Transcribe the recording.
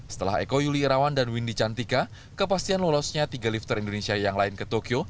setelah eko yuli irawan dan windy cantika kepastian lolosnya tiga lifter indonesia yang lain ke tokyo